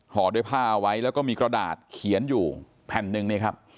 ห่อด้วยผ้าเอาไว้แล้วก็มีกระดาษเขียนอยู่แผ่นหนึ่งนี่ครับ